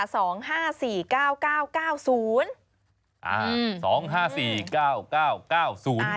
อ่า๒๕๔๙๙๙๐